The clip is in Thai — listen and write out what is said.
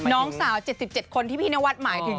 น้องสาว๗๗คนที่พี่นวัดหมายถึง